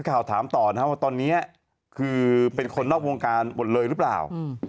ข่าวถามต่อนะครับว่าตอนนี้คือเป็นคนนอกวงการหมดเลยหรือเปล่า